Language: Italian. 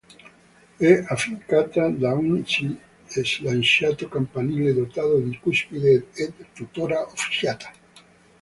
È affiancata da uno slanciato campanile dotato di cuspide ed è tuttora officiata.